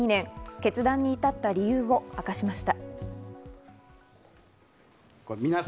決断に至った理由を明かしました。